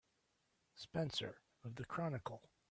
Spencer of the Chronicle.